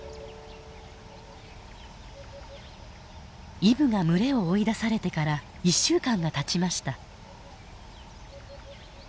イブが群れを追い出されてから１週間がたちました。